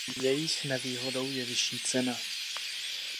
Jejich nevýhodou je vyšší cena.